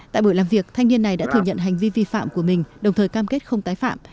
tại buổi làm việc thanh niên này đã thừa nhận hành vi vi phạm của mình đồng thời cam kết không tái phạm